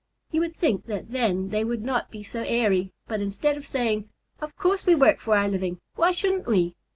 You would think that then they would not be so airy, but instead of saying, "Of course we work for our living why shouldn't we?"